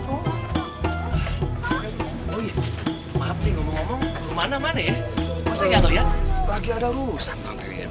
lagi ada rusak